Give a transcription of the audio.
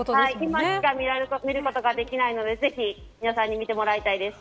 今しか見ることができないのでぜひ皆さんに見てもらいたいです。